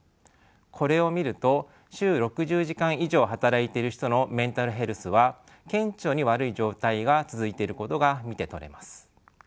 これを見ると週６０時間以上働いてる人のメンタルヘルスは顕著に悪い状態が続いていることが見て取れます。